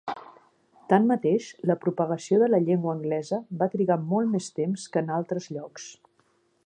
Tanmateix, la propagació de la llengua anglesa va trigar molt més temps que en altres llocs.